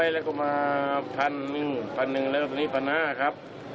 แล้วก็มา๑๐๐๐บาท๑๐๐๐บาทแล้วก็ตอนนี้๑๕๐๐บาทครับ